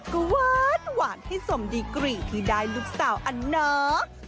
ก็หวานให้สมดีกรีที่ได้ลูกสาวอันเนาะ